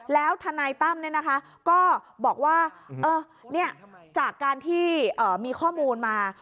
แล้วทนายตั้มเนี่ยนะคะก็บอกว่าเนี่ยจากการที่มีข้อมูลมา